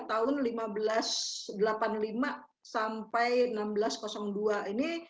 tahun seribu lima ratus delapan puluh lima sampai seribu enam ratus dua ini